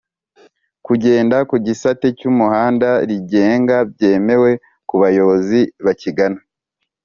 kugenda ku gisate cy'umuhanda rigenga byemewe ku bayobozi bakigana.